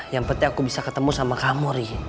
yang penting aku bisa ketemu sama kamu